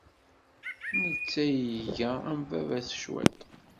Netta iga am baba-s cwiṭ.